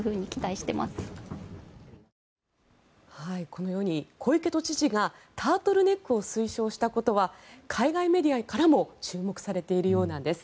このように小池都知事がタートルネックを推奨したことは海外メディアからも注目されているようなんです。